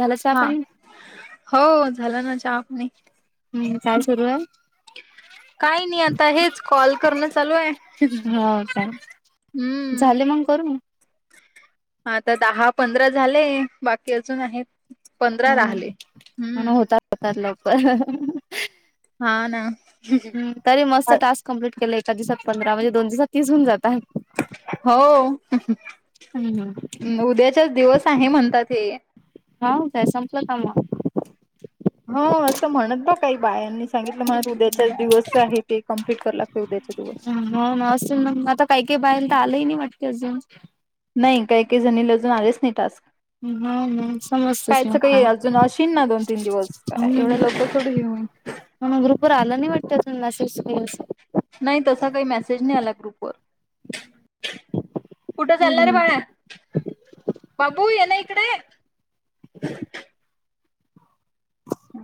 झालं चहा हा पाणी हो झालं ना चहा पाणी. काम सरू ये काही नाही आता हेच कॉल करणं चालू आहे. हो झाले मग करून? हा आता दहा पंधरा झाले बाकी अजून आहेत. पंधरा ह राहिले म्ह हम्म होतच होतात लवकर हाह हह हा ना हम तरी मस्त टाक कम्प्लीट केलं एका दिवसात पंधरा म्हणजे दोन दिवात तीस होऊन जात. ् उद्याच्याच दिवस आहे म्हणतात हे हवा हा असं म्हणत ब काही बायांनी सांगितलं म्हणात उद्याच्या दिवस आहे ते कम्प्लीट करू लागते उद्याच्या दिवस हो मग असून मग आता काही काही बायेला तर आलंही नाही वाटते अजून. नाही काही काही जणी ला अजून आलेच नाही टास्क. हा ना समजतेच कायच मग काय काही अजून अशीन ना दोन तीन दिवस का एवढं लगकर थोड घेऊ होन म्हणून ग्रुपवर आलं नाही वाटतं अ मसेज. नाही तसा काही मेसेज नाही आला ग्रुपवर. कुठं चालणार रे हम्म बाळा. बाबू ये ना इकडे.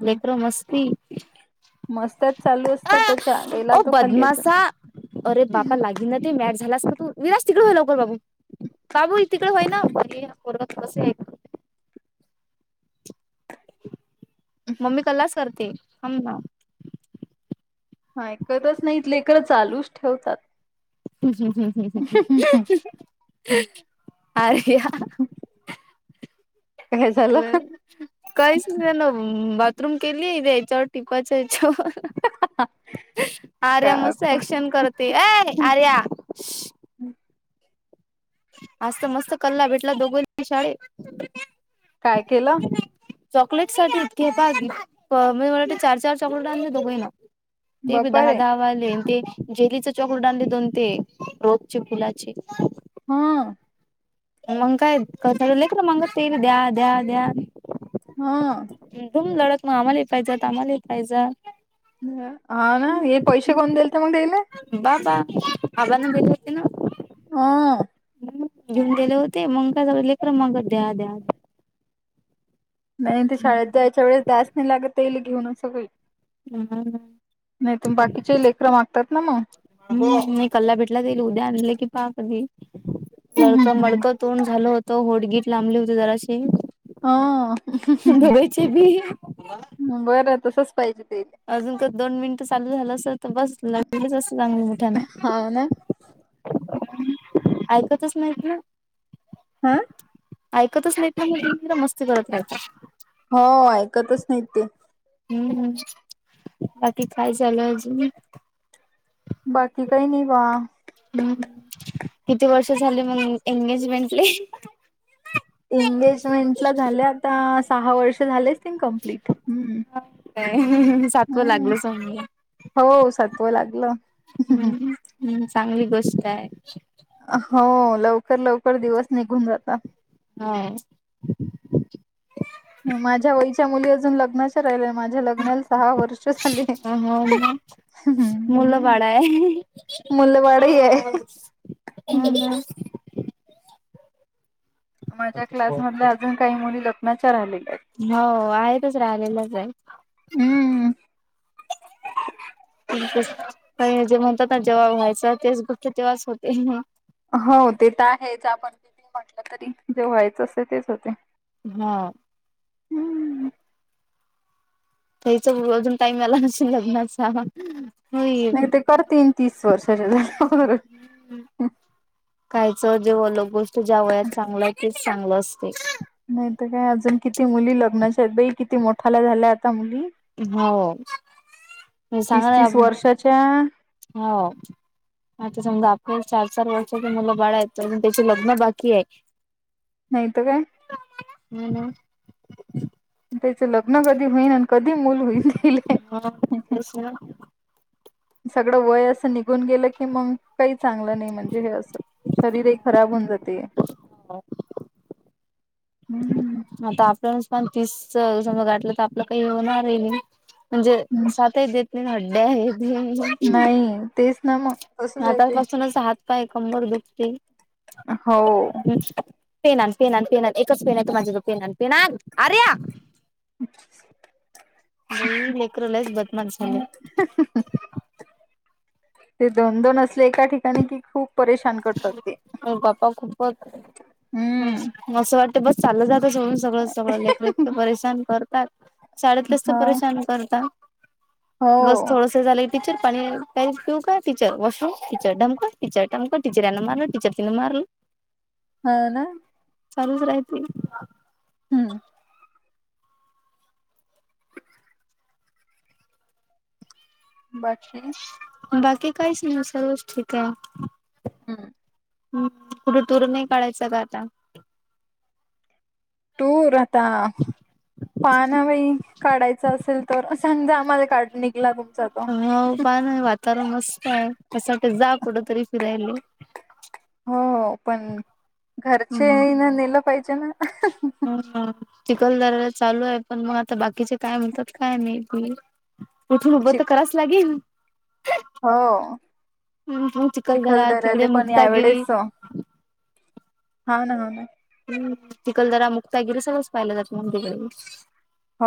लकर मस्ती. मस्त्यात चालू असतात त्याच्या गेला ओ तो खाली अजून बदमाशा अरे बापा लागे ना ते मॅट झालास का तू, विरास तिकडे हो लवकर बाबू बाबू इथे तिकड होईना बये ह्या पोरग्याचं कस ये. मम्मी कलाच करते हम ना हा ऐकतच नाहीत लेकर चालूच ठेवतात. हम हम, हम, हम, हम, हम, आर काय झालं का काहीच ना बाथरूम केली आहे याच्यावर टिकवायच्या याच्यावर. [unintelligible] आर्या मस्त क्शन करते अय आर्या. आजत मस्त कला बेटला दोघो शाळे. काय केलं. चॉकलेट साके पा म्हणजे मला वाटत चार-चार चॉकलेटांचे दोघंही ना. ते बी बापा दहा रे दहा वाले. ते जेलीचे चक्र ले दोन ते रोपचे फुलाचे. हम. मग काय क मंग ते द्या द्या द्या. हा. तुम लढत मग आम्हाला पाहिज आम्हाला पाहिज. हा ना हे पैसे कोण देल तर मला देईले. आवा ना बजाते ना. हम. घेऊन गेले होते मग काय सग लेकर मग द्या द्या. नाही ते शाळेत जायच्या वेळेस दडास नाही लागत येईल घेऊन सगळी. नाही तुम बाकीचे लेकरन मागतात ना मग. मी कल्ला भेटला गल उद्या आणलं की पहा कधी लडक मडकं तोंड झालं होत. तो होडगीट लांबले होते जराशी. ह बघचे भी. बरं तसच पाहिजे ते अजून का दोन मिनिटं चालू झालं अस. तर बस लगलीच असं चांगली मिठाना. हा ना ऐकातच नाहीत. हा. ऐकतच नाही मस्ती करत रात. नाही ते. हम्म बाकी काय चालू अजून. बाकी काही नाही बा. हम्म किती वर्ष झाले मग एंगेजमेंटले. एंगेजमेंटला झाल्या आता सहा वर्ष झाले. कमप्लीट हम् नाही सातवं हम्. लागलं समजा हो सत्व लागलं. हम्म हम्म चांगली गोष्ट आहे. हो लवकर लवकर दिवस निघून जातात. हा. माझ्या वयच्या मुली अजून लग्नाच्या राहिल्या. माझ्या लग्नाला सहा वर्ष झाली. मुल बाळाा आहे. मुलंबाळही आहे एंगनं. माझ्या क्लास मध अजून काही मुली लग्नाच्या राहिलेल्या आहेत. हो आहेतच राहिलेलंच आहे. आहेत हम्म का जे म्हणतात ना जेव्हा व्हायचं तेच गोष्ट तेव्हाच होते. हो ते तर आहेच आपण तिथ म्हटलं तरी जे व्हायचं असं तेच होते. हा. हम्म. तेच अजून टाईम आला न लग्नाचा. नाही होईल ते करतेन तीस वर्षाच्या. काहीचं जेलोक गोष्ट ज्या वयात चांगलं आहे तेच चांगलं असत. नाहीत काय अजून किती मुली लग्नाच्या आहेत बाई किती मोठाला झाल्या आता मुली. हो म तीस तीस सांग. वर्षाच्या हो आता समजा आप चार-चार वर्षाच मुलं बाळ आहेत तर त्याची लग्न बाकी आहे. नाहीत काय. हम् हम. त्याच लग्न कधी होईल आणि कधी मूल होईल. मग तेच ना सगळं वय अस निघून गेलं की मग काही चांगलं नाही म्हणजे हे असं शरीर. खराब होऊन जातय. ह. हम्म. आता आपल्याच पण तीस समज गाठलं तर आपलं काही हो होणार आहेल. म्हणजे सातही देत नाही हड्डे्या आहेत. नाही तेच नाम. हातापासूनच हात पाय कंबर दुखते. हो पेना पे पे एकच पेन आहे त माझ्या पेनन पि अर्या. [inaudible] नाही लेकरलाच बदमाश झाले. [inaudible] ते दोन-दोन असले एका ठिकाणी कि खूप. परेशान करतात ते गप्पा खूपच हम्म मसं वाट बस चाल. सोडून सगळं सगळं लेखरीत परेशान करतात शाळेतलंचत हा परेशान करतात. हो बस थोडस झालं. टीचर पाणी पिऊ का टीचर वॉशरूम टीचर ढमक टीचर ठमक. टीचरना मारलं टीचर तिन मारल. हा ना. चालूच राहते. हम्म. [inaudible] बाकीकी. काय ससारोष्ट का. हम्. हम् मतूर नाही काढयचं का आता. टूर आता पाना बाई. काढायचं असेल तर सांजा आम्हाला काढ. निघला तुमचा तो ह प वा. तर मस्त आहे अससाठी जा कढं तरी फिरायला. हो हो पण. घरचे हम्म ना नेलं पाहिजे ना. चिखलदरा चालू आहे पण मग आता बाकीचे काय मिळतात काय नाही. पुठून उभं तर चिक कराच लागेल हो मग चिखलदरा चिखलधऱ्याले तिकडे पण मुक्तागिरी यावडेच होा ना हो ना हम् तिकल जरा मुक्ता गेलं सगळंच पाहिलं जात मग तिकडे हो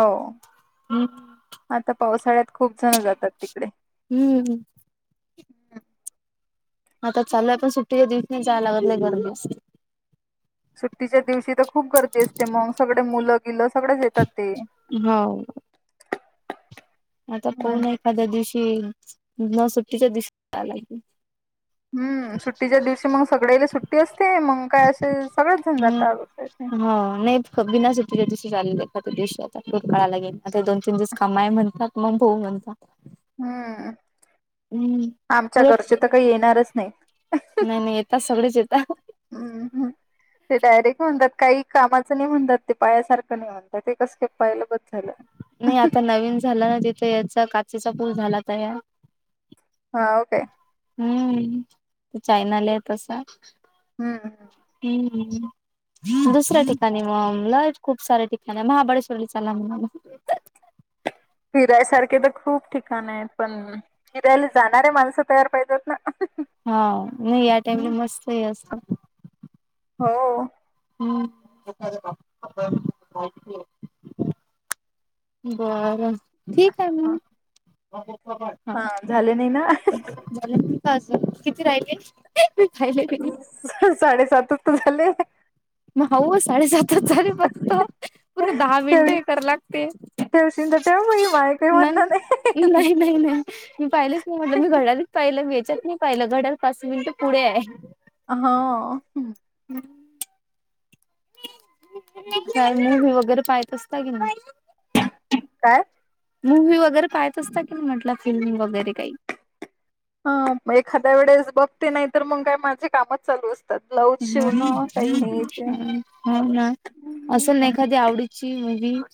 आता पावसाळ्यात खूप जातात तिकडे हम्म हम्म. आता चालूय पण सुट्टीच्या दिवस नाही जायला लागत नाही गर दिवस. सुट्टीच्या दिवशी तर खूप गर्दी असते मग सगळे मुलं गिलं सगळेच येतात ते. [inaudible] आता मग पहन एखाद्या दिवशी न सुट्टीच्या दिवशीलाय. हम्म सुट्टीच्या दिवशी मग सगळ्या सुट्टी असते मग काय असे सगळेच जण जातात. ह नाहीच बना सती गती. चालले पतदेशाचा भूतकाळाला गेले आता दोन तीन दिवस कामाय म्हणतात मग भाऊ म्हणतात. हम्म हम्म. आमच्या उलट घरचे तर काय येणारच नाही. नाही, नाही येतात सगळेच येतात. हम्म ते डायरेक्ट म्हणतात काही कामाचं नाही म्हणतात ते पायासारखं नाही म्हणतात ते कसं का पाया ल बत झालं नाही आता नवीन झालं ना तिथे याचा काचेचा पूल झाला तयार हा ओ काय? हम्म चायनाला य तसा हम्म हम् दुसऱ्या ठिकाणी मग लयच खूप साऱ्या ठिकाणी महाबळेश्वरला चला म्हणून फिरायसारखे तर खूप ठिकाण आहेत पण फिरायला जाणारे माणसं तयार पाहिजेत ना? हा नाही या टाइमला मस्त हे असत हो हम् बरं ठीक आहे मग हा झाले नाही ना? झालं नाही अजून किती राहिले राहिले? त झाले माहो साडे सात च झाले फक्त पूर्ण दहा मिनिट ठेव हे करा लागते ठेवशील तर ठेव बाई माय काही म्हणणं नाही नाही नाही नाही मी पाहिलेच नाही म्हणलं मी घड्याळ च पाहिलं मी वेच्यात नाही पाहिलं घड्याळ फसवीन तर फुडे य हा का मूवी वगैरे पाहेत असता कि नाय? काय? मूवी्ही वगैरे पाहेत असता की नाही म्हटलं फिल्मी वगैरे काही हा म एखाद्या वेळेस बघते नाही तर मग काय माझे कामच चालू असते हो ना असेल ना एखादी आवडीची मुव्ही [inaudible]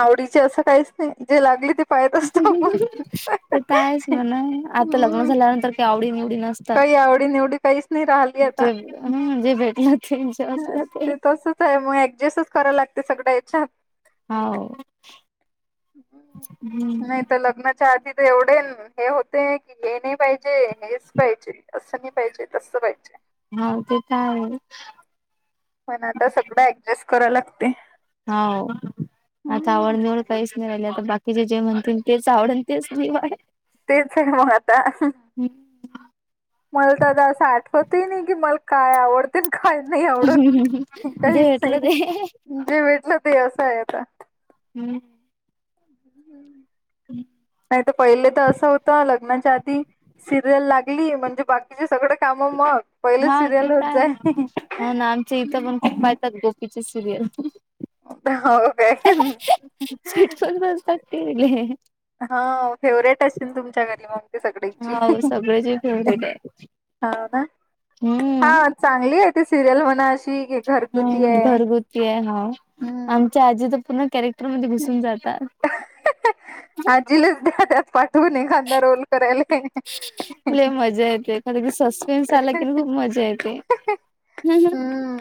आवडीचे असं काहीच नाही जे लागले ते पाहत असतो आपण ते तर आहेच म्हणा आता लग्न हम्म झाल्यानंतर काही आवडी निवडी काही नसतच आवडी निवडी काहीच नाही राहिली जे भेटल ह ते तसच आहे मग ऍडजस्टच कराव लागते सगळ् याच्यात हाव हम्म नाही तर लग्नाच्या आधी तेवढे हे होते की हे नाही पाहिजे ते हेच पाहिजे असं नाही पाहिजे तसं पाहिजे ह तेे त आहे. पण आता सगळं ऍडजस्ट कराव लागतय. हओ आता आवड निवड काहीच. राहिली तर बाकीचे जे म्हणतील तेच आवड तेच निवड. तेच हाय मग आता. मला तर आ असं आठवत नाही की मला काय आवडतय. काय नाही आवडत जे काहीच नाही भेटलं ते जे भेटलं ते असं आहे आता. हम् नाही तर पहिले तर असं होतं लग्नाच्या आधी सिरियल लाग ली म्हणजे बाकीचे सगळ काम मग पहिले हा ते सिरियल तर होत आहे. जाय. हो ना, आमच्या इथं पण खूप पाहतात गोपीची सिरियल हो काय? ते सगळची हाव सगळ्याचे फेवरेट आहे होव ना हम्म हाव चांगली आहे ती सिरियल म्हणा अशी ठीक आहे घरगुती हम्म आहे घरगुती आहे हम्म खरं म्हणजे घसून जाता आजीलाच द्या त्यात पाठवून एखादा रोल करायला. [unintelligible] मजा येते कारण कि सस्पेन्स आला की खूप मजा जयते ह ह हम्म.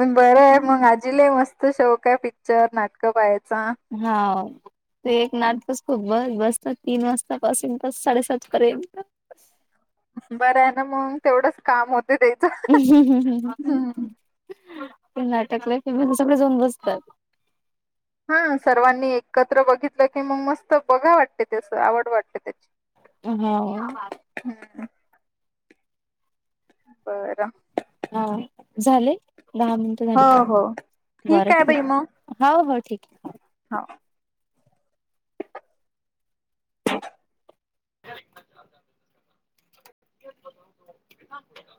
म बरं आहे मग आजीला मस्त शौक आहे पिक्चर, नाटकं पाहायचं. हा ते एक नाटकच खूप बस बसता तीन वाजता पासून तर साडेसात पर्यंत बरं आहे ना मग तेवढंच काम होत हम् हम् हम् ह. ते नाटक लय फेमस आहे सगळे जाऊन बसतात. हा सर्वांनी एकत्र बघितलं की मग मस्त बघा वाटते तेस आवड वाटते त्याची हाव क्या बात बर हाव झाले दहा मिनिट हो झाले. हो बर ठीक हो हो ठीक आहे. हाव [inaudible] ह [inaudible]